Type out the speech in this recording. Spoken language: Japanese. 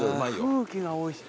空気がおいしい。